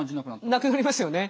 なくなりますよね。